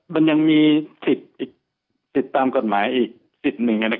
มันยังมีสิทธิ์ตามกฎหมายอีกสิทธิ์หนึ่ง